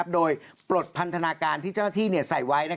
โดยปลดพันธนาการที่เจ้าหน้าที่ใส่ไว้